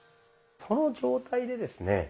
その状態でですね